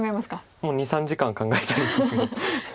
もう２３時間考えたいですよね。